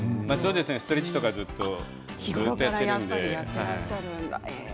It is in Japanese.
ストレッチとかをずっとやっているので。